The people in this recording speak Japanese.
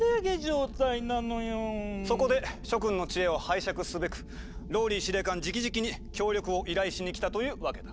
そこで諸君の知恵を拝借すべくＲＯＬＬＹ司令官じきじきに協力を依頼しに来たというわけだ。